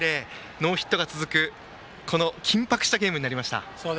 ノーヒットが続く緊迫したゲームになりました。